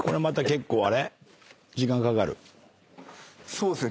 そうですね。